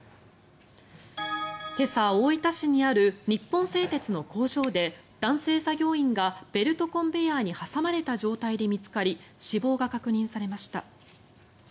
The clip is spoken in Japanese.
今朝、大分市にある日本製鉄の工場で男性作業員がベルトコンベヤーに挟まれた状態で見つかり死亡が確認されました。